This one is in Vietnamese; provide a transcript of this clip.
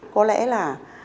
có lẽ là